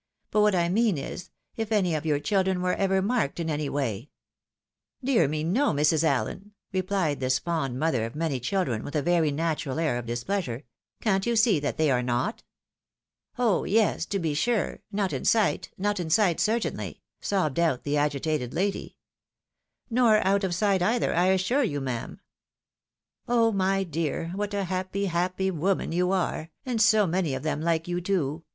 But what I mean is, if any of your children were ever marked in any way '"" Dear me, no, Mrs. Allen," repUed this fond mother of many children, with a very natural air of displeasure, " can't you see that they are not ?"" Oh yes, to be sure — not in sight, not in sight, certainly," sobbed out the agitated lady. " Nor out of sight either, I assure you, ma'am." " Oh my dear, what a happy, happy, woman you are ! and so many of them like you too